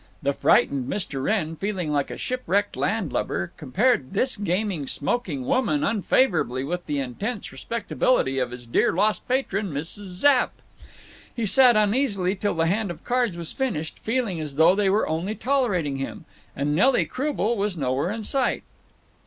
The frightened Mr. Wrenn, feeling like a shipwrecked land lubber, compared this gaming smoking woman unfavorably with the intense respectability of his dear lost patron, Mrs. Zapp. He sat uneasy till the hand of cards was finished, feeling as though they were only tolerating him. And Nelly Croubel was nowhere in sight.